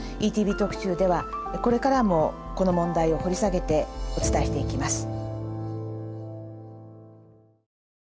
「ＥＴＶ特集」ではこれからもこの問題を掘り下げてお伝えしていきます。